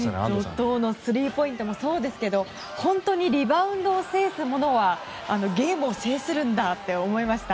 怒涛のスリーポイントもそうですがリバウンドを制す者はゲームを制するんだって思いました。